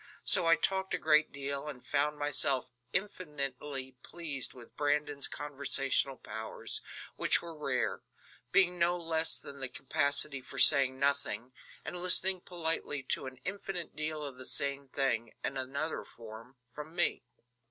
So I talked a great deal and found myself infinitely pleased with Brandon's conversational powers, which were rare; being no less than the capacity for saying nothing, and listening politely to an infinite deal of the same thing, in another form, from me.